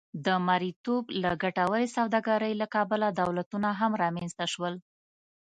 د مریتوب د ګټورې سوداګرۍ له کبله دولتونه هم رامنځته شول.